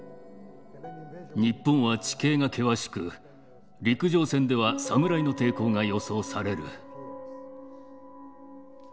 日本は地形が険しく陸上戦では侍の抵抗が予想される。